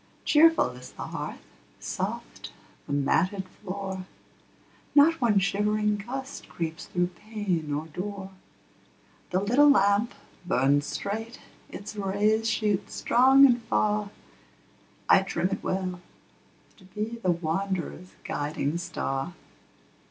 Cheerful is the hearth, soft the matted floor; Not one shivering gust creeps through pane or door; The little lamp burns straight, its rays shoot strong and far: I trim it well, to be the wanderer's guiding star.